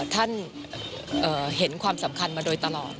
ท่านเห็นความสำคัญมาโดยตลอด